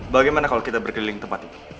bagaimana kalau kita berkeliling tempat itu